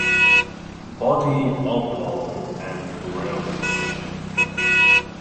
Body oblong and brownish.